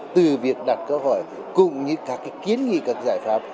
từ việc đặt câu hỏi cùng với các cái kiến nghị các giải pháp